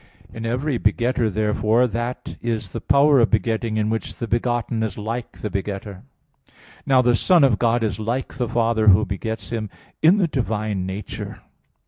In every begetter, therefore, that is the power of begetting in which the begotten is like the begetter. Now the Son of God is like the Father, who begets Him, in the divine nature.